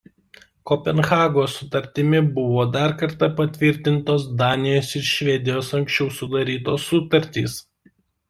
Kopenhagos sutartimi buvo dar kartą patvirtintos Danijos ir Švedijos anksčiau sudarytos sutartys.